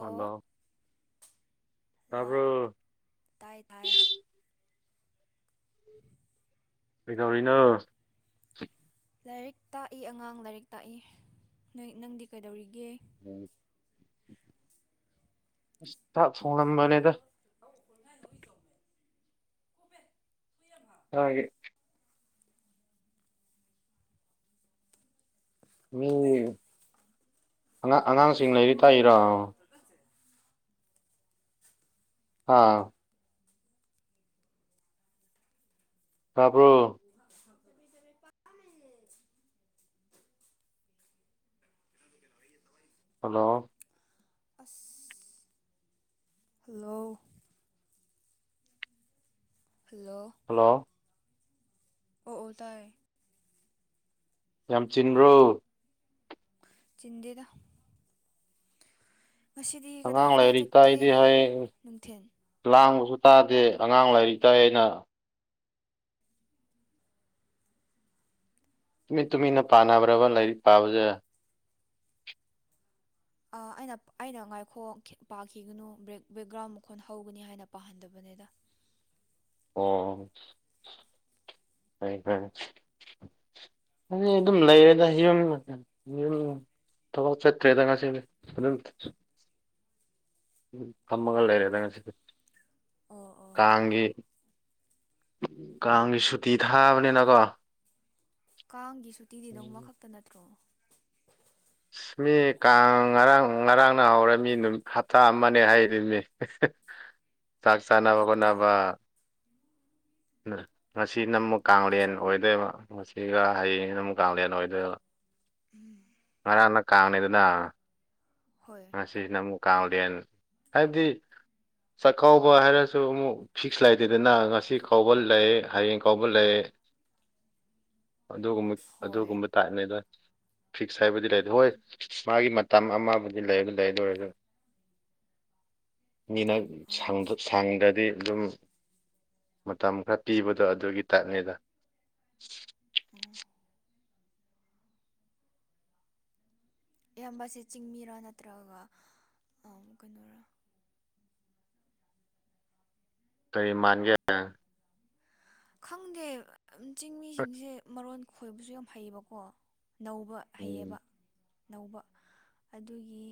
hello ꯇꯥꯕ꯭ꯔꯣ ꯂꯥꯛ ꯇꯥꯏ ꯇꯥꯏ ꯀꯩꯗꯧꯔꯤꯅꯣ ꯂꯥꯏꯔꯤꯛ ꯇꯥꯛꯏ ꯑꯉꯥꯡ ꯂꯥꯏꯔꯤꯛ ꯇꯥꯛꯏ ꯅꯣꯏ ꯅꯪꯗꯤ ꯀꯩꯗꯧꯔꯤꯒꯦ ꯑꯁ ꯊꯥꯛ ꯊꯣꯡꯉꯝꯕꯅꯦꯗ ꯍꯧ ꯈꯣꯏꯉ ꯅꯣꯏ ꯇꯧꯃꯦ ꯇꯥꯌꯦ ꯃꯤ ꯑꯉꯥꯡ ꯑꯉꯥꯡꯁꯤꯡ ꯂꯩꯔꯤꯛ ꯇꯥꯛꯏꯔꯣ ꯀꯁꯦ ꯑꯥ ꯇꯕ꯭ꯔꯣ [unintelligible] [unintelligible] ꯍꯜꯂꯣ ꯑꯁ ꯍꯂꯣ ꯍꯜꯂꯣ ꯍꯜꯂꯣ ꯑꯣ ꯑꯣ ꯇꯥꯏ ꯌꯥꯝ ꯆꯤꯟꯕ꯭ꯔꯣ ꯆꯤꯟꯗꯦꯗ ꯉꯁꯤꯗꯤ ꯀꯗꯥꯏ ꯑꯉꯥꯡ ꯀꯗꯥꯏ ꯂꯥꯏꯔꯤꯛ ꯆꯠꯀꯦ ꯇꯥꯛꯏꯗꯤ ꯍꯥꯏ ꯅꯨꯡꯊꯤꯟ ꯂꯥꯡꯕꯁꯨ ꯇꯥꯗꯦ ꯑꯉꯥꯡ ꯂꯥꯏꯔꯤꯛ ꯇꯥꯛꯏ ꯅ ꯇꯨꯃꯤꯠ ꯇꯨꯃꯤꯟꯅ ꯄꯥꯅꯕ꯭ꯔꯕ ꯂꯥꯏꯔꯤꯛ ꯄꯥꯕꯁꯦ ꯑꯩꯅ ꯑꯩꯅ ꯉꯥꯏꯈꯣ ꯄꯥꯈꯤꯒꯅꯨ ꯕ꯭ꯔꯦꯛ ꯕꯦꯛꯒ꯭ꯔꯥꯎꯟ ꯃꯈꯣꯟ ꯍꯧꯒꯅꯤ ꯍꯥꯏꯅ ꯄꯥꯍꯟꯗꯕꯅꯤꯗ ꯑꯣ ꯑꯩꯗꯤ ꯑꯗꯨꯝ ꯂꯩꯔꯦꯗ ꯌꯨꯝ ꯊꯕꯥꯛ ꯆꯠꯇ꯭ꯔꯦꯗ ꯉꯁꯤꯗꯤ ꯑꯗꯨꯝ ꯐꯝꯃꯒ ꯑꯣ ꯂꯩꯔꯦꯗ ꯉꯁꯤꯗꯤ ꯑꯣ ꯑꯣ ꯀꯥꯡꯒꯤ ꯀꯥꯡꯒꯤ ꯁꯨꯇꯤ ꯊꯥꯕꯅꯤꯅꯀꯣ ꯀꯥꯡꯒꯤ ꯁꯨꯇꯤꯗꯤ ꯅꯣꯡꯃ ꯈꯛꯇ ꯅꯠꯇ꯭ꯔꯣ ꯑꯁ ꯃꯤ ꯀꯥꯡ ꯉꯔꯥꯡ ꯉꯔꯥꯡꯅ ꯍꯧꯔꯝꯃꯤ ꯅꯨꯃꯤꯠ ꯍꯞꯇꯥ ꯑꯃꯅꯦ ꯍꯥꯏꯗꯨꯗꯤ ꯆꯥꯛ ꯆꯥꯅꯕ ꯍꯞꯇꯥ ꯉꯁꯤꯅ ꯃꯨꯛ ꯀꯥꯡꯂꯦꯟ ꯑꯆꯥ ꯑꯣꯏꯗꯣꯏꯕ ꯉꯁꯤꯒ ꯍꯌꯦꯡꯅ ꯑꯃꯨꯛ ꯀꯂꯦꯟ ꯑꯣꯏꯗꯨꯏꯕ ꯉꯔꯥꯡꯅ ꯀꯥꯡꯅꯤꯗꯅ ꯍꯣꯏ ꯉꯁꯤꯅ ꯑꯃꯨꯛ ꯀꯥꯡꯂꯦꯟ ꯍꯥꯏꯗꯤ ꯆꯥꯛꯀꯥꯎꯕ ꯍꯥꯏꯔꯁꯨ ꯑꯃꯨꯛ ꯐꯤꯛꯁ ꯂꯩꯇꯦꯗꯅ ꯉꯁꯤ ꯀꯧꯕꯥ ꯂꯩ ꯍꯌꯦꯡ ꯀꯧꯕ ꯂꯩ ꯑꯗꯨꯒꯨꯝꯕ ꯍꯣꯏ ꯑꯗꯨꯒꯨꯝꯕ ꯇꯥꯏꯞꯅꯦ ꯑꯗ ꯐꯤꯛꯁ ꯍꯥꯏꯕꯨꯗꯤ ꯂꯩꯇꯦ ꯍꯣꯏ ꯃꯥꯒꯤ ꯃꯇꯝ ꯑꯃꯕꯨ ꯏ ꯂꯩꯕ ꯂꯩ ꯂꯣꯏ ꯗ ꯃꯤꯅ ꯁꯪ ꯑꯠꯆꯥ ꯁꯪꯗ꯭ꯔꯗꯤ ꯑꯗꯨꯝ ꯃꯇꯝ ꯈꯔ ꯄꯤꯕꯗꯣ ꯑꯗꯨꯒꯤ ꯇꯥꯏꯞꯅꯤꯗ ꯎꯝ ꯑꯌꯥꯝꯕꯁꯦ ꯆꯤꯡꯃꯤꯔꯥ ꯅꯠꯇ꯭ꯔꯒ ꯀꯩꯅꯔꯥ ꯀꯔꯤ ꯃꯥꯟꯒꯦ ꯈꯪꯗꯦ ꯆꯤꯡꯃꯤꯁꯤꯡꯁꯦ ꯃꯔꯣꯟ ꯈꯣꯏꯕꯁꯨ ꯌꯥꯝ ꯍꯩꯌꯦꯕꯀꯣ ꯅꯧꯕ ꯍꯩꯌꯦꯕ ꯎꯝ ꯅꯧꯕ ꯑꯗꯨꯒꯤ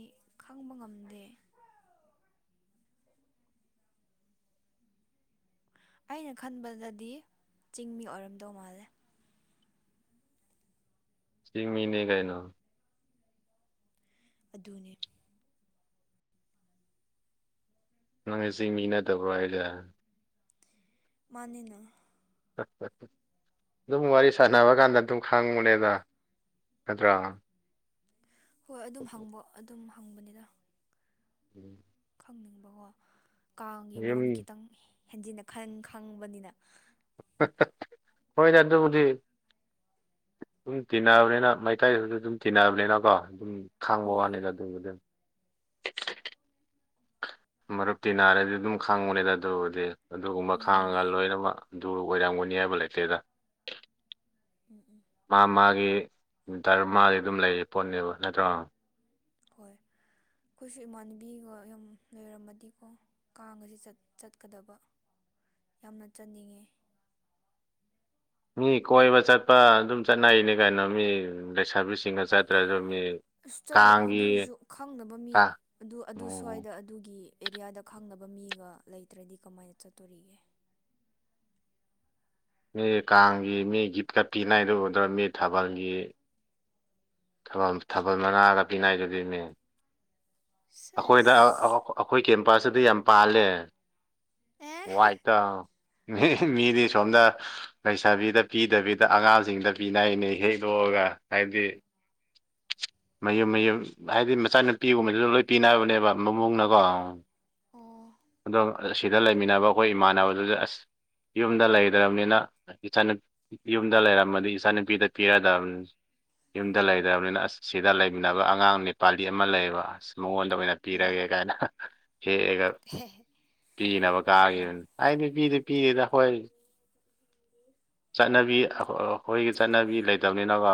ꯈꯪꯕ ꯉꯝꯗꯦ ꯑꯩꯅ ꯈꯟꯕꯗꯗꯤ ꯆꯤꯡ ꯃꯤ ꯑꯣꯏꯔꯝꯗꯧ ꯃꯥꯜꯂꯦ ꯆꯤꯡꯃꯤꯅꯦ ꯀꯥꯏꯅꯣ ꯑꯗꯨꯅꯦ ꯅꯪꯖꯦ ꯆꯤꯡꯃꯤ ꯅꯠꯇꯕ꯭ꯔꯣ ꯍꯥꯏꯖꯦ ꯃꯥꯅꯤꯅ ꯑꯗꯨꯝ ꯋꯥꯔꯤ ꯁꯥꯟꯅꯕ ꯀꯥꯟꯗ ꯑꯗꯨꯝ ꯈꯪꯕꯨꯅꯦꯗ ꯅꯠꯗ꯭ꯔꯥ ꯍꯣꯏ ꯑꯗꯨꯝ ꯍꯪꯕ ꯑꯗꯨꯝ ꯍꯪꯕꯅꯤꯗ ꯎꯝ ꯈꯪꯅꯤꯡꯕꯀꯣ ꯀꯥꯡꯒꯤ ꯌꯨꯝ ꯃꯔꯝ ꯈꯤꯇꯪ ꯍꯦꯟꯖꯤꯟꯅ ꯈꯟ ꯈꯪꯕꯅꯤꯅ ꯍꯣꯏꯅꯦ ꯑꯗꯨꯕꯨꯗꯤ ꯑꯗꯨꯝ ꯇꯤꯟꯅꯕꯅꯤꯅ ꯃꯩꯇꯩꯗꯨꯁꯨ ꯑꯗꯨꯝ ꯇꯤꯟꯅꯕꯅꯤꯅꯀꯣ ꯑꯗꯨꯝ ꯈꯥꯡꯕ ꯎꯝ ꯋꯥꯅꯤꯗ ꯑꯗꯨ ꯑꯗꯨꯝ ꯃꯔꯨꯞꯇꯤ ꯅꯥꯔꯗꯤ ꯑꯗꯨꯝ ꯈꯪꯕꯅꯦꯗ ꯑꯗꯨꯕꯨꯗꯤ ꯑꯗꯨꯒꯨꯝꯕ ꯎꯝ ꯈꯥꯡꯉꯒ ꯂꯣꯏꯅꯃꯛ ꯑꯗꯨ ꯑꯣꯏꯔꯝꯒꯅꯤ ꯍꯥꯏꯕ ꯂꯩꯇꯦꯗ ꯎꯝ ꯎꯝ ꯃꯥ ꯃꯥꯒꯤ ꯗ꯭ꯔꯃ ꯑꯗꯨꯝ ꯂꯩꯌꯦ ꯄꯣꯠꯅꯦꯕ ꯅꯠꯇ꯭ꯔꯣ ꯍꯣꯏ ꯑꯩꯈꯣꯏꯁꯨ ꯏꯃꯥꯟꯅꯕꯤꯒ ꯌꯥꯝ ꯂꯩꯔꯝꯃꯗꯤꯀꯣ ꯀꯥꯕꯗꯤ ꯆꯠꯀꯗꯕ ꯌꯥꯝꯅ ꯆꯠꯅꯤꯡꯉꯦ ꯃꯤ ꯀꯣꯏꯕ ꯆꯠꯄ ꯑꯗꯨꯝ ꯆꯠꯅꯩꯅꯤ ꯀꯩꯅꯣ ꯃꯤ ꯂꯩꯁꯕꯤꯁꯤꯡ ꯆꯥꯇ꯭ꯔꯥ ꯑꯗꯨ ꯃꯤ ꯏꯁꯇꯜ ꯀꯥꯡꯒꯤ ꯑꯗꯨꯁꯨ ꯈꯪꯗꯕ ꯃꯤ ꯀ ꯑꯗꯨ ꯑꯗꯨ ꯎꯝ ꯁ꯭ꯋꯥꯏꯗ ꯑꯗꯨꯒꯤ ꯑꯦꯔꯤꯌꯥꯗ ꯈꯪꯅꯕ ꯃꯤꯒ ꯂꯩꯇ꯭ꯔꯗꯤ ꯀꯃꯥꯏꯅ ꯆꯠꯇꯣꯔꯤꯒꯦ ꯃꯤ ꯀꯥꯡꯒꯤ ꯃꯤ ꯒꯤꯞꯀ ꯄꯤꯅꯩꯗꯣ ꯎꯗ꯭ꯔꯣ ꯃꯤ ꯊꯥꯕꯜꯒꯤ ꯊꯥꯕꯜ ꯊꯥꯕꯜ ꯃꯉꯥꯒ ꯄꯤꯅꯩꯗꯨꯗꯤ ꯃꯤ ꯑꯩꯈꯣꯏꯗ ꯁꯦꯁ ꯑꯩꯈꯣꯏ ꯀꯦꯝꯄꯥꯁꯇꯗꯤ ꯌꯥꯝ ꯄꯥꯜꯂꯦ ꯑꯦ ꯋꯥꯏꯠꯇ ꯃꯤ ꯃꯤꯗꯤ ꯁꯣꯝꯗ ꯂꯩꯁꯥꯕꯤꯗ ꯄꯤꯗꯕꯤꯗ ꯑꯉꯥꯡꯁꯤꯡꯗ ꯄꯤꯅꯅꯦ ꯍꯦꯛ ꯂꯣꯛꯑꯒ ꯍꯥꯏꯕꯗꯤ ꯃꯌꯨꯝ ꯃꯌꯨꯝ ꯍꯥꯏꯗꯤ ꯃꯆꯥꯅꯨꯄꯤꯒꯨꯝꯕꯗꯨꯗ ꯂꯣꯏ ꯄꯤꯅꯕꯅꯦꯕ ꯃꯃꯨꯡꯅꯀꯣ ꯑꯣ ꯑꯗꯣ ꯁꯤꯗ ꯂꯩꯃꯤꯟꯅꯕ ꯑꯩꯈꯣꯏ ꯏꯃꯥꯟꯅꯕꯗꯨꯁꯨ ꯑꯁ ꯌꯨꯝꯗ ꯂꯩꯗ꯭ꯔꯕꯅꯤꯅ ꯏꯆ ꯌꯨꯝꯗ ꯂꯩꯔꯝꯃꯗꯤ ꯏꯆꯟ ꯅꯨꯨꯄꯤꯗ ꯄꯤꯔꯗꯕꯅꯤ ꯌꯨꯝꯗ ꯂꯩꯗ꯭ꯔꯕꯅꯤꯅ ꯑꯁ ꯁꯤꯗ ꯂꯩꯃꯤꯟꯅꯕ ꯑꯉꯥꯡ ꯅꯦꯄꯥꯂꯤ ꯑꯃ ꯂꯩꯌꯦꯕ ꯑꯁ ꯃꯉꯣꯟꯗ ꯑꯣꯏꯅ ꯄꯤꯔꯒꯦ ꯀꯥꯏꯅ ꯍꯦꯛꯑꯒ ꯄꯤꯁꯤꯅꯕ ꯑꯣ ꯀꯥꯒꯤꯗꯨꯅ ꯑꯩꯗꯤ ꯄꯤꯗꯤ ꯄꯤꯔꯤꯗ ꯍꯣꯏ ꯆꯠꯅꯕꯤ ꯑꯩꯈꯣꯏꯒꯤ ꯆꯠꯅꯕꯤ ꯂꯩꯇꯕꯅꯤꯅꯀꯣ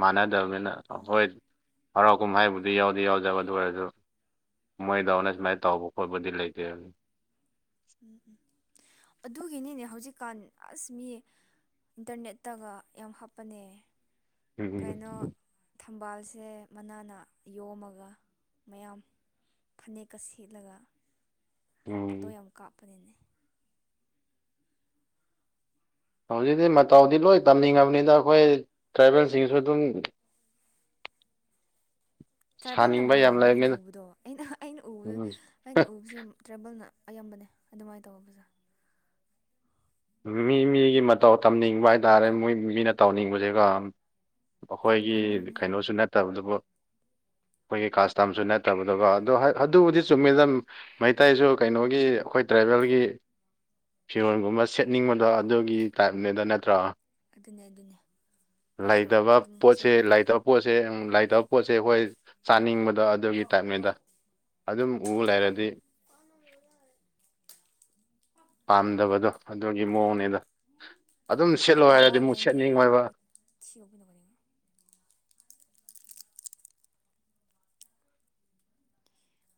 ꯃꯥꯟꯅꯗꯕꯅꯤꯅ ꯑꯣ ꯍꯣꯏ ꯍꯔꯥꯎ ꯀꯨꯝꯍꯩꯕꯨꯗꯤ ꯌꯥꯎꯗꯤ ꯌꯥꯎꯗꯕ ꯑꯗꯨ ꯑꯣꯏꯔꯁꯨ ꯃꯣꯏꯗꯅ ꯁꯨꯃꯥꯏꯅ ꯇꯧꯕ ꯈꯣꯠꯄꯗꯤ ꯂꯩꯇꯦ ꯑꯗꯨ ꯎꯝ ꯎꯝ ꯑꯗꯨꯒꯤꯅꯤꯅꯦ ꯍꯧꯖꯤꯛꯀꯥꯟ ꯑꯁ ꯃꯤ ꯏꯟꯇꯔꯅꯦꯠꯇꯒ ꯌꯥꯝ ꯍꯥꯞꯄꯅꯦ ꯎꯝ ꯀꯩꯅꯣ ꯊꯝꯕꯥꯜꯁꯦ ꯃꯅꯥꯅ ꯌꯣꯝꯃꯒ ꯃꯌꯥꯝ ꯐꯅꯦꯛꯀ ꯁꯦꯠꯂꯒ ꯎꯝ ꯐꯣꯇꯣ ꯌꯥꯝ ꯀꯥꯞꯄꯅꯤꯅꯦ ꯍꯧꯖꯤꯛꯇꯤ ꯃꯇꯥꯎꯗꯤ ꯂꯣꯏ ꯇꯝꯅꯤꯡꯉꯕꯅꯤꯅ ꯑꯩꯈꯣꯏ ꯇ꯭ꯔꯥꯏꯕꯦꯜꯁꯤꯡꯁꯨ ꯑꯗꯨꯝ [inaudible] ꯇ꯭ꯔꯥꯏꯕꯦꯜꯅꯕꯨ ꯁꯥꯅꯤꯡꯕ ꯌꯥꯝ ꯌꯥꯝꯃꯦ ꯑꯩꯅ ꯂꯩꯕꯅꯤꯅ ꯎꯕꯗꯣ ꯑꯩꯅ ꯑꯩꯅ ꯎꯕꯗ ꯎꯝ ꯑꯩꯅ ꯎꯕꯁꯤ ꯇ꯭ꯔꯦꯕꯦꯜꯅ ꯑꯌꯥꯝꯕꯅꯦ ꯑꯗꯨꯃꯥꯏꯅ ꯇꯧꯕ ꯄꯨꯖꯥ ꯃꯤ ꯃꯤꯒꯤ ꯃꯇꯧ ꯇꯝꯅꯤꯡꯕ ꯍꯥꯏꯇꯥꯔꯦ ꯃꯣꯏ ꯃꯤꯅ ꯇꯧꯅꯤꯡꯕꯁꯦꯒ ꯑꯩꯈꯣꯏꯒꯤ ꯑꯗꯨꯅꯦ ꯀꯩꯅꯣꯁꯨ ꯅꯠꯇꯕꯗꯨꯕꯨ ꯑꯩꯈꯣꯏꯒꯤ ꯀꯥꯁꯇꯝꯁꯨ ꯅꯠꯇꯕꯗꯨꯒ ꯑꯗꯨ ꯑꯗꯨꯕꯨꯗꯤ ꯆꯨꯝꯃꯤꯅ ꯃꯩꯇꯩꯁꯨ ꯀꯩꯅꯣꯒꯤ ꯑꯩꯈꯣꯏ ꯇ꯭ꯔꯥꯏꯕꯦꯜꯒꯤ ꯐꯤꯔꯣꯜꯒꯨꯝꯕ ꯁꯦꯠꯅꯤꯡꯕꯗꯣ ꯑꯗꯨꯒꯤ ꯇꯥꯏꯞꯅꯦꯗ ꯅꯠꯇ꯭ꯔꯣ ꯑꯗꯨꯅꯦ ꯑꯗꯨꯅꯦ ꯑꯩꯁꯨ ꯂꯩꯇꯕ ꯑꯗꯨꯝ ꯄꯣꯠꯁꯦ ꯁꯦꯠꯄꯗꯣ ꯂꯩꯇꯕ ꯄꯣꯠꯁꯦ ꯂꯩꯇꯕ ꯄꯣꯠꯁꯦ ꯑꯩꯈꯣꯏ ꯆꯥꯅꯤꯡꯕꯗꯣ ꯑꯗꯨꯒꯤ ꯇꯥꯏꯞꯅꯤꯗ ꯑꯗꯨꯝ ꯎ ꯂꯩꯔꯗꯤ ꯄꯥꯝꯗꯕꯗꯣ ꯑꯗꯨꯒꯤ ꯃꯑꯣꯡꯅꯦꯗꯥ ꯑꯗꯨꯝ ꯁꯦꯠꯂꯣ ꯍꯥꯏꯔꯗꯤ ꯇꯄꯥꯕꯥꯎ ꯑꯃꯨꯛ ꯂꯥꯏꯟꯗꯦ ꯁꯦꯠꯅꯤꯡꯉꯣꯏꯕ [unintelligible]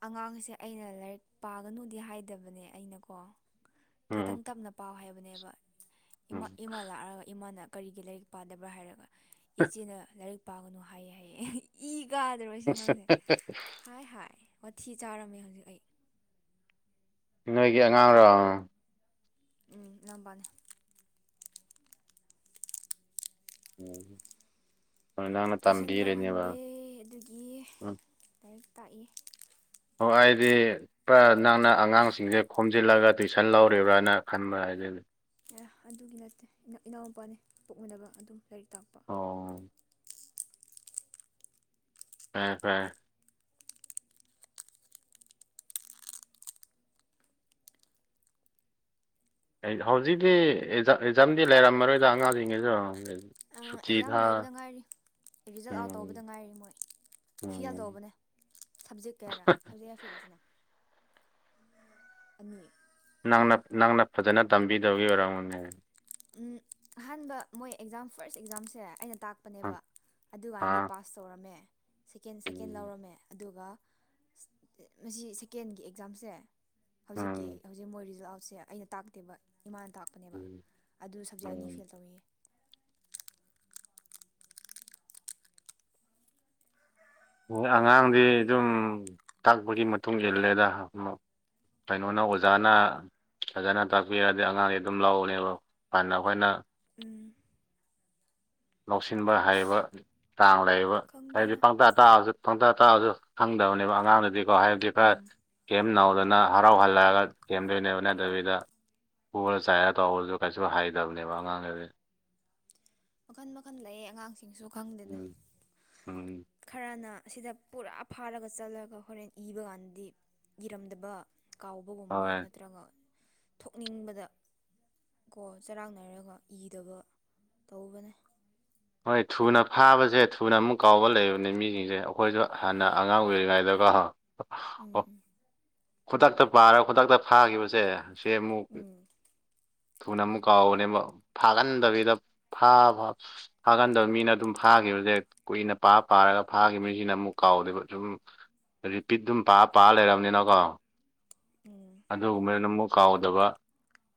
ꯑꯉꯥꯡꯁꯦ ꯑꯩꯅ ꯂꯥꯏꯔꯤꯛ ꯄꯥꯒꯅꯨꯗꯤ ꯍꯥꯏꯗꯕꯅꯦ ꯑꯩꯅꯀꯣ ꯎꯝ ꯈꯤꯇꯪ ꯇꯞꯅ ꯄꯥꯎ ꯍꯥꯏꯕꯅꯦꯕ ꯎꯝ ꯏꯃꯥ ꯂꯥꯛꯑꯒ ꯏꯃꯥꯅ ꯀꯔꯤꯒꯤ ꯂꯥꯏꯔꯤꯛ ꯄꯥꯗꯕ꯭ꯔꯥ ꯍꯥꯏꯔꯒ ꯏꯆꯦꯅ ꯂꯥꯏꯔꯤꯛ ꯄꯥꯒꯅꯨ ꯍꯥꯏꯌꯦ ꯍꯥꯏꯌꯦ ꯏ ꯀꯥ ꯑꯗꯨꯔꯣ ꯁꯤ ꯑꯉꯥꯡꯁꯦ ꯍꯥꯏ ꯍꯥꯏ ꯋꯥꯊꯤ ꯆꯥꯔꯝꯃꯦ ꯑꯩ ꯍꯧꯖꯤꯛ ꯅꯣꯏꯒꯤ ꯑꯉꯥꯡꯔꯣ ꯎꯝ ꯢꯅꯥꯎꯕꯅꯦ ꯎꯝ ꯅꯪꯅ ꯇꯨꯏꯁꯟ ꯇꯝꯕꯤꯔꯤꯅꯦꯕ ꯂꯧꯍꯟꯗꯦ ꯑꯗꯨꯒꯤ ꯎꯝ ꯂꯥꯏꯔꯤꯛ ꯇꯥꯛꯏ ꯍꯣꯏ ꯑꯩꯗꯤ ꯄꯨꯔ ꯅꯪꯅ ꯑꯉꯥꯡꯁꯤꯡꯁꯦ ꯈꯣꯝꯖꯤꯜꯂꯒ ꯇꯨꯏꯁꯟ ꯂꯧꯔꯤꯕ꯭ꯔꯥꯅ ꯈꯟꯕ ꯑꯩꯗꯤ ꯑꯗꯨꯒꯤ ꯅꯠꯇꯦ ꯏꯅꯥꯎꯄꯥꯅꯦ ꯄꯣꯛꯃꯤꯟꯅꯕ ꯑꯗꯨꯝ ꯂꯥꯏꯔꯤꯛ ꯇꯥꯛꯄ ꯑꯣ ꯐꯥꯏ ꯐ꯭ꯔꯥꯏꯦ ꯍꯧꯖꯤꯛꯀꯤ ꯑꯦꯛꯖꯥꯝꯗꯤ ꯂꯩꯔꯝꯃꯔꯣꯏꯗ ꯑꯉꯥꯡꯁꯤꯡꯩꯁꯨ ꯑꯦꯛꯖꯥꯝ ꯂꯣꯏꯕꯗ ꯉꯥꯏꯔꯤ ꯔꯤꯖꯜꯠ ꯑꯥꯎꯠ ꯇꯧꯕꯗ ꯎꯝ ꯉꯥꯏꯔꯤ ꯃꯣꯏ ꯐꯦꯜ ꯎꯝ ꯇꯧꯕꯅꯦ ꯁꯞꯖꯦꯛ ꯀꯌꯥꯔ ꯁꯕꯖꯦꯛ ꯌꯥꯌꯥ ꯐꯤꯔꯏꯁꯤꯅ ꯑꯅꯤ ꯅꯪꯅ ꯅꯪꯅ ꯐꯖꯅ ꯇꯝꯕꯤꯗꯕꯒꯤ ꯑꯣꯏꯔꯝꯅꯦ ꯎꯝ ꯑꯍꯥꯟꯕ ꯃꯣꯏ ꯑꯦꯛꯖꯥꯝ ꯐꯥꯔꯁ ꯑꯦꯛꯖꯥꯝꯁꯦ ꯑꯩꯅ ꯇꯥꯛꯄꯅꯦꯕ ꯑꯗꯨꯀꯥꯟꯅꯗꯤ ꯑꯥ ꯄꯥꯁ ꯇꯧꯔꯝꯃꯦ ꯁꯦꯀꯦꯟ ꯁꯦꯀꯦꯟ ꯎꯝ ꯂꯧꯔꯝꯃꯦ ꯑꯗꯨꯒ ꯑꯁꯤ ꯁꯦꯀꯦꯟꯒꯤ ꯑꯦꯛꯖꯥꯝꯁꯦ ꯍꯧꯖꯤꯛꯀꯤ ꯎꯝ ꯍꯧ ꯍꯧꯖꯤꯛ ꯃꯣꯏ ꯔꯤꯖꯜ ꯑꯥꯎꯠꯁꯦ ꯑꯩꯅ ꯇꯥꯛꯇꯦꯕ ꯏꯃꯥꯅ ꯇꯥꯛꯄꯅꯦꯕ ꯑꯗꯨ ꯁꯞꯖꯦꯛ ꯑꯅꯤ ꯎꯝ ꯐꯦꯜ ꯇꯧꯋꯦꯌꯦ ꯑꯉꯥꯡꯗꯤ ꯑꯗꯨꯝ ꯇꯥꯛꯄꯒꯤ ꯃꯇꯨꯡ ꯏꯜꯂꯦꯗ ꯑꯃ ꯀꯩꯅꯣꯅ ꯑꯣꯖꯥꯅ ꯐꯖꯅ ꯇꯥꯛꯄꯤꯔꯗꯤ ꯑꯉꯥꯡꯗꯤ ꯑꯗꯨꯝ ꯂꯎꯅꯦꯕ ꯐꯅ ꯑꯩꯈꯣꯏꯅ ꯎꯝ ꯂꯧꯁꯤꯟꯕ ꯍꯩꯕ ꯆꯥꯡ ꯂꯩꯕ ꯍꯥꯏꯗꯤ ꯈꯪꯗꯦꯗ ꯄꯪꯇꯥꯛ ꯇꯥꯛꯑꯁꯨ ꯄꯪꯇꯥ ꯇꯥꯛꯑꯁꯨ ꯈꯪꯗꯕꯅꯦꯕ ꯑꯉꯥꯡꯗꯗꯤꯀꯣ ꯍꯥꯏꯕꯗꯤ ꯈꯔ ꯎꯝ ꯊꯦꯝ ꯅꯧꯗꯅ ꯍꯔꯥꯎ ꯍꯜꯂꯛꯑꯒ ꯊꯦꯝꯗꯣꯏꯅꯦꯕ ꯅꯠꯇꯕꯤꯗ ꯄꯨꯔ ꯆꯥꯏꯔ ꯇꯧꯔꯁꯨ ꯀꯩꯁꯨ ꯍꯩꯗꯕꯅꯦꯕ ꯑꯉꯥꯡꯗꯗꯤ ꯃꯈꯜ ꯃꯈꯜ ꯂꯩ ꯑꯉꯥꯡꯁꯤꯡꯁꯨ ꯈꯪꯗꯦꯗ ꯎꯝ ꯎꯝ ꯈꯔꯅ ꯑꯁꯤꯗ ꯄꯨꯔꯥ ꯐꯥꯔꯒ ꯆꯠꯂꯒ ꯍꯣꯔꯦꯟ ꯏꯕ ꯀꯥꯟꯗꯗꯤ ꯏꯔꯝꯗꯕ ꯀꯥꯎꯕꯒꯨꯝꯕ ꯍꯣꯏ ꯅꯠꯇ꯭ꯔꯒ ꯊꯣꯛꯅꯤꯡꯕꯗ ꯀꯣ ꯆꯔꯥꯡꯅꯔꯒ ꯏꯗꯕ ꯇꯧꯕꯅꯦ ꯍꯣꯏ ꯊꯨꯅ ꯐꯥꯕꯁꯦ ꯊꯨꯅ ꯑꯃꯨꯛ ꯀꯥꯎꯕ ꯂꯩꯕꯅꯦ ꯃꯤꯁꯤꯡꯁꯦ ꯑꯩꯈꯣꯏꯁꯨ ꯍꯥꯟꯅ ꯑꯉꯥꯡ ꯑꯣꯏꯔꯤꯉꯩꯗꯀꯣ ꯑ [inaudible] ꯎꯝ ꯎꯝ ꯈꯨꯗꯛꯇ ꯄꯥꯔ ꯈꯨꯗꯛꯇ ꯐꯥꯈꯤꯕꯁꯦ ꯁꯤ ꯑꯃꯨꯛ ꯎꯝ ꯊꯨꯅ ꯑꯃꯨꯛ ꯀꯥꯎꯕꯅꯦꯕ ꯐꯥꯒꯟꯗꯕꯤꯗ ꯐꯥꯕ ꯐꯥꯒꯟꯗꯕ ꯃꯤꯅ ꯑꯗꯨꯝ ꯐꯥꯈꯤꯕꯁꯦ ꯀꯨꯏꯅ ꯄꯥ ꯄꯥꯔꯒ ꯐꯥꯈꯤꯕ ꯃꯤꯁꯤꯅ ꯑꯃꯨꯛ ꯀꯥꯎꯗꯦꯕ ꯑꯗꯨꯨꯝ ꯔꯤꯄꯤꯠ ꯑꯗꯨꯝ ꯄꯥꯔ ꯄꯥꯔ ꯂꯩꯔꯕꯅꯤꯅꯀꯣ ꯎꯝ ꯑꯗꯨꯒꯨꯝꯕꯗꯨꯅ ꯑꯃꯨꯛ ꯀꯥꯎꯗꯕ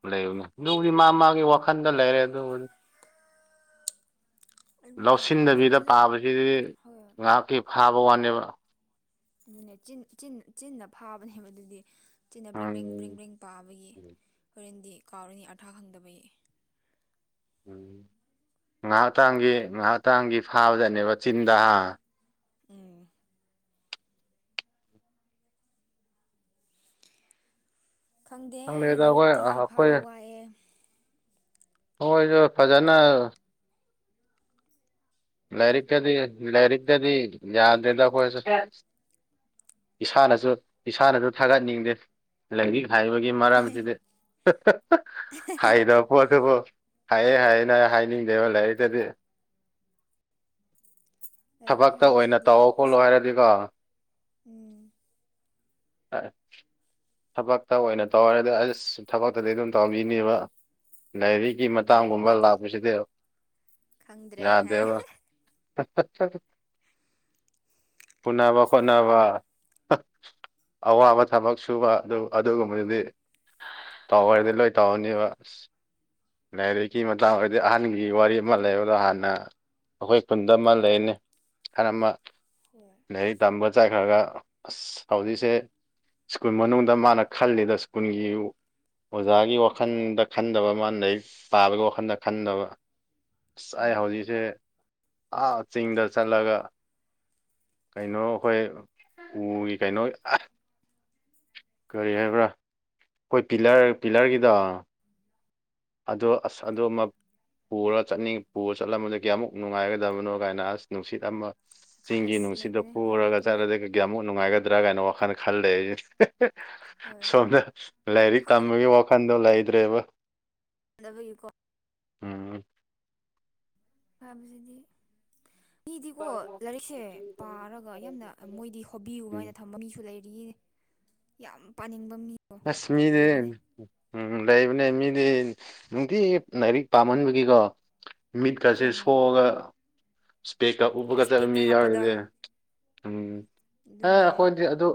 ꯂꯩꯕꯅꯦ ꯑꯗꯨꯕꯨꯗꯤ ꯃꯥ ꯃꯥꯒꯤ ꯋꯥꯈꯟꯗ ꯂꯩꯔꯦ ꯑꯗꯨꯕꯨꯗꯤ ꯎꯝ ꯑꯗꯨꯅꯦ ꯂꯧꯁꯤꯟꯗꯕꯤꯗ ꯑꯗꯣ ꯄꯥꯕꯁꯤꯗꯤ ꯍꯣꯏ ꯉꯥꯏꯍꯥꯛꯀꯤ ꯐꯥꯕ ꯋꯥꯅꯦꯕ ꯑꯗꯨꯅꯦ ꯆꯤꯟꯅ ꯐꯥꯕꯅꯦꯕ ꯑꯗꯨꯗꯤ ꯆꯤꯟꯅ ꯕ꯭ꯔꯦꯡ ꯕ꯭ꯔꯦꯡ ꯎꯝ ꯕ꯭ꯔꯦꯡ ꯄꯥꯕꯒꯤ ꯍꯣꯔꯦꯟꯗꯤ ꯀꯥꯎꯔꯅꯤ ꯑꯥꯔꯊꯥ ꯈꯪꯗꯕꯒꯤ ꯎꯝ ꯉꯥꯏꯍꯥꯛꯇꯥꯡꯒꯤ ꯉꯥꯏꯍꯥꯛꯇꯥꯡꯒꯤ ꯐꯥꯕꯗꯅꯦꯕ ꯆꯤꯟꯗ ꯎꯝ ꯈꯪꯗꯦ ꯈꯪꯗꯦꯗ ꯑꯩꯈꯣꯏ ꯂꯥꯏꯔꯤꯛꯇꯤ ꯑꯩꯈꯣꯏ ꯐꯥꯕ ꯋꯥꯑꯦ ꯑꯩꯈꯣꯢꯁꯨ ꯐꯖꯅ ꯂꯥꯏꯔꯤꯛꯇꯗꯤ ꯂꯥꯏꯔꯤꯛꯇꯗꯤ ꯌꯥꯗ꯭ꯔꯦꯗ ꯑꯩꯈꯣꯏꯁꯨ ꯏꯁꯥꯅꯁꯨ ꯏꯁꯥꯅꯁꯨ ꯊꯥꯒꯠꯅꯤꯡꯗꯦ ꯂꯥꯏꯔꯤꯛ ꯍꯩꯕꯒꯤ ꯃꯔꯝꯁꯤꯗꯤ ꯍꯥꯏꯗ ꯄꯣꯠꯇꯕꯣ ꯍꯥꯏꯌꯦ ꯍꯥꯏꯌꯦꯅ ꯍꯥꯏꯅꯤꯡꯗꯦꯕ ꯂꯥꯏꯔꯤꯛꯇꯗꯤ ꯂꯥꯏꯔꯤꯛ ꯊꯕꯛꯇ ꯑꯣꯏꯅ ꯍꯥꯏꯕꯁꯤꯗꯤ ꯇꯧ ꯈꯣꯠꯂꯣ ꯑꯁꯦꯡꯕ ꯍꯥꯏꯔꯗꯤꯀꯣ ꯎꯝ ꯑ ꯊꯕꯛꯇ ꯑꯣꯏꯅ ꯇꯧꯔꯦꯗ ꯑꯁ ꯊꯕꯛꯇꯗꯤ ꯑꯗꯨꯝ ꯇꯧꯕꯤꯅꯦꯕ ꯂꯥꯏꯔꯤꯛ ꯒꯤ ꯃꯇꯥꯡꯒꯨꯝꯕ ꯂꯥꯏꯔꯤꯛꯇꯗꯤ ꯂꯥꯛꯄꯁꯤꯗꯤ ꯈꯪꯗ꯭ꯔꯦ ꯍꯦ ꯌꯥꯗꯦꯕ ꯎꯅꯥꯕ ꯈꯣꯠꯅꯕ ꯑꯋꯥꯕ ꯊꯕꯛ ꯁꯨꯕ ꯑꯗꯨ ꯑꯗꯨꯒꯨꯝꯕꯗꯨꯗꯤ ꯇꯧꯔꯗꯤ ꯂꯣꯏ ꯇꯧꯔꯅꯦꯕ ꯑꯁ ꯂꯥꯏꯔꯤꯛꯀꯤ ꯃꯇꯥꯡ ꯑꯣꯏꯔꯗꯤ ꯑꯍꯟꯒꯤ ꯋꯥꯔꯤ ꯑꯃ ꯂꯩꯕꯗꯣ ꯍꯥꯟꯅ ꯑꯩꯈꯣꯏ ꯈꯨꯟꯗ ꯑꯃ ꯂꯩꯅꯦ ꯑꯍꯥꯜ ꯑꯃ ꯍꯣꯏ ꯂꯥꯢꯔꯤꯛ ꯇꯝꯒ ꯆꯠꯈ꯭ꯔꯒ ꯑꯁ ꯍꯧꯖꯤꯛꯁꯦ ꯁ꯭ꯀꯨꯜ ꯃꯅꯨꯡꯗ ꯃꯥꯅ ꯈꯜꯂꯤꯗꯣ ꯁ꯭ꯀꯨꯜꯒꯤ ꯑꯣꯖꯥꯒꯤ ꯋꯥꯈꯜꯗ ꯈꯟꯗꯕ ꯃꯥꯅ ꯂꯥꯏꯔꯤꯛ ꯕꯕꯥꯒꯤ ꯋꯥꯈꯜꯗ ꯈꯟꯗꯕ ꯑꯁ ꯑꯩ ꯎꯝ ꯍꯧꯖꯤꯛꯁꯦ ꯑ ꯆꯤꯡꯗ ꯆꯠꯂꯒ ꯀꯩꯅꯣ ꯑꯩꯈꯣꯏ ꯎꯒꯤ ꯀꯩꯅꯣ ꯀꯔꯤ ꯍꯥꯏꯕ꯭ꯔꯥ ꯑꯩꯈꯣꯏ ꯄꯤꯂꯔ ꯄꯤꯂꯔꯒꯤꯗꯣ ꯑꯗꯣ ꯑꯁ ꯑꯗꯣ ꯃ ꯄꯨꯔꯒ ꯆꯠꯅꯤꯡ ꯄꯨꯔ ꯆꯠꯂꯝꯕꯗ ꯀꯌꯥꯃꯨꯛ ꯅꯨꯡꯉꯥꯏꯒꯗꯕꯅꯣ ꯀꯥꯏꯅ ꯑꯁ ꯅꯨꯡꯁꯤꯠ ꯑꯃ ꯆꯤꯡꯒꯤ ꯈꯥꯁ ꯅꯨꯡꯁꯤꯠꯅ ꯂꯩꯕꯅꯦ ꯍꯣꯏ ꯄꯨꯔꯒ ꯃꯇꯝꯗ ꯆꯔꯖꯒꯦ ꯀꯤꯌꯥꯃꯨꯛ ꯅꯨꯡꯉꯥꯏꯒꯗ꯭ꯔꯥ ꯀꯥꯏꯅ ꯋꯥꯈꯜ ꯈꯜꯂꯦ ꯍꯣꯏ ꯁꯣꯝꯗ ꯂꯥꯏꯔꯤꯛ ꯇꯝꯕꯒꯤ ꯋꯥꯈꯟꯗꯣ ꯂꯩꯇ꯭ꯔꯦꯕ ꯕꯀꯣ ꯎꯝ ꯑꯕꯁꯤꯗꯤ ꯃꯤꯗꯤꯀꯣ ꯂꯥꯏꯔꯤꯛꯁꯦ ꯄꯥꯔꯒ ꯌꯥꯝꯅ ꯃꯣꯏꯗꯤ ꯎꯝ ꯍꯣꯕꯤꯃꯥꯏꯅ ꯊꯝꯕ ꯃꯤꯁꯨ ꯂꯩ ꯑꯗꯒꯤ ꯌꯥꯝ ꯄꯥꯅꯤꯡꯕ ꯃꯤꯗꯣ ꯑꯁ ꯃꯤꯗꯤ ꯂꯩꯕꯅꯦ ꯎꯝ ꯂꯩꯕꯅꯦ ꯃꯤꯗꯤ ꯅꯨꯡꯇꯤ ꯂꯥꯏꯔꯤꯛ ꯄꯥꯝꯃꯟꯕꯒꯤꯀꯣ ꯃꯤꯠꯀꯁꯦ ꯎꯝ ꯁꯣꯛꯑꯒ ꯏꯁꯄꯦꯛꯀ ꯎꯕꯒ ꯑꯁ ꯄꯦꯛꯀ ꯇꯝꯃꯤ ꯍꯥꯞꯄꯗꯣ ꯌꯥꯎꯔꯤꯅꯦ ꯎꯝ ꯍꯦ ꯑꯗꯨꯅꯦ ꯑꯩꯈꯣꯏꯗꯤ ꯑꯗꯨ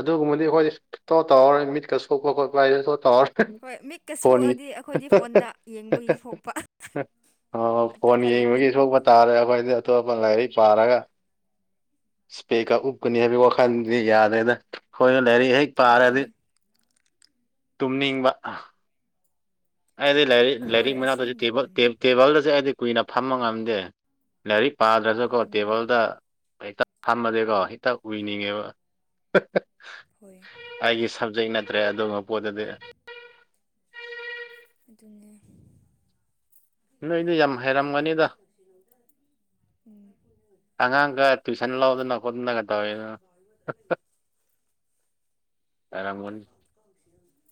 ꯑꯗꯨꯒꯨꯝꯕꯗꯤ ꯑꯩꯈꯣꯏꯗꯤ ꯁꯨꯇꯣ ꯇꯧꯔꯔꯣꯏ ꯃꯤꯠꯀ ꯁꯣꯛꯄ ꯈꯣꯠꯄ ꯍꯥꯏ ꯍꯣꯏ ꯃꯤꯠꯀ ꯐꯣꯟꯒꯤ ꯁꯣꯛꯑꯗꯤ ꯑꯩꯈꯣꯏꯗꯤ ꯐꯣꯟꯗ ꯌꯦꯡꯕꯒꯤ ꯁꯣꯛꯄ ꯑꯣ ꯐꯣꯟ ꯑꯇꯣꯞꯄ ꯂꯩꯇꯦ ꯌꯦꯡꯕꯒꯤ ꯁꯣꯛꯄ ꯇꯥꯔꯦ ꯑꯩꯈꯣꯏꯗꯤ ꯑꯇꯣꯞꯄ ꯂꯥꯏꯔꯤꯛ ꯄꯥꯔꯒ ꯁꯄꯦꯛꯀ ꯎꯞꯀꯅꯤ ꯍꯥꯏꯕꯒꯤ ꯋꯥꯈꯜꯗꯤ ꯌꯥꯗ꯭ꯔꯦꯗ ꯑꯩꯈꯣꯏꯗ ꯂꯥꯏꯔꯤꯛ ꯍꯩ ꯄꯥꯔꯗꯤ ꯑꯗꯨꯅꯦ ꯇꯨꯝꯅꯤꯡꯕ ꯑꯩꯗꯤ ꯂꯥꯏꯔꯤꯛ ꯍꯣꯏ ꯂꯥꯏꯔꯤꯛ ꯃꯅꯥꯛꯇꯁꯨ ꯑꯁꯦꯡꯕ ꯎꯝ ꯇꯦꯕꯜꯗꯁꯨ ꯑꯩꯗꯤ ꯀꯨꯏꯅ ꯐꯝꯕ ꯉꯝꯗꯦ ꯂꯥꯏꯔꯤꯛ ꯄꯥꯗ꯭ꯔꯁꯨꯀꯣ ꯎꯝ ꯇꯦꯕꯜꯗ ꯐꯝꯃꯗꯤꯀꯣ ꯍꯦꯛꯇꯥ ꯎꯏꯅꯤꯡꯉꯦꯕ ꯍꯣꯏ ꯑꯩꯒꯤ ꯁꯕꯖꯦꯛ ꯅꯠꯇ꯭ꯔꯦ ꯑꯗꯨꯒꯨꯝꯕ ꯄꯣꯠꯇꯨꯗꯤ ꯑꯗꯨꯅꯦ ꯅꯣꯏꯗꯤ ꯌꯥꯝ ꯍꯩꯔꯝꯒꯅꯤꯗ ꯎꯝ ꯑꯉꯥꯡꯒ ꯇꯨꯏꯁꯟ ꯂꯧꯗꯅ ꯈꯣꯠꯇꯅꯒ ꯇꯧꯋꯤ ꯇꯔꯝꯒꯅꯤ